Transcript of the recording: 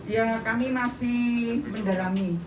ya kami masih mendalami